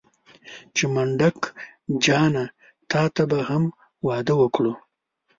چې منډک جانه تاته به هم واده وکړو.